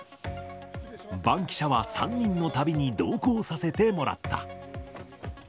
バンキシャは３人の旅に同行させてもらった。